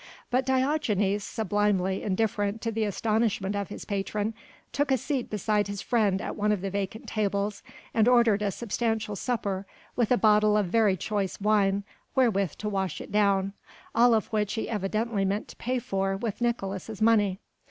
But Diogenes, sublimely indifferent to the astonishment of his patron, took a seat beside his friend at one of the vacant tables and ordered a substantial supper with a bottle of very choice wine wherewith to wash it down, all of which he evidently meant to pay for with Nicolaes' money.